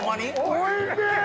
おいしい！